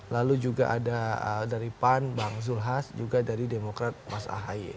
lalu juga ada dari pan bang zulhas juga dari demokrat mas ahaye